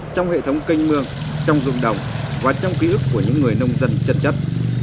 trong hệ thống kênh mương trong rụng đồng và trong ký ức của những người nông dân chất chất